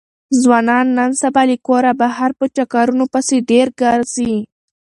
ځوانان نن سبا له کوره بهر په چکرونو پسې ډېر ګرځي.